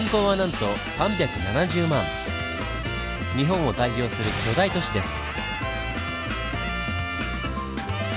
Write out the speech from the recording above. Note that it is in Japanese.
日本を代表する巨大都市です。